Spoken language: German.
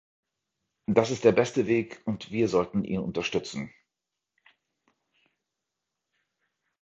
Das ist der beste Weg, und wir sollten ihn unterstützen.